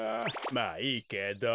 まあいいけど。